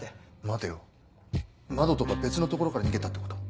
待てよ窓とか別の所から逃げたってことは？